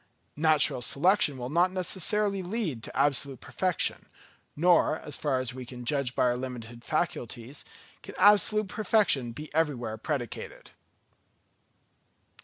Natural selection will not necessarily lead to absolute perfection; nor, as far as we can judge by our limited faculties, can absolute perfection be everywhere predicated.